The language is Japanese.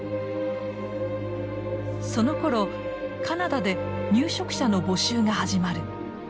そのころカナダで入植者の募集が始まる。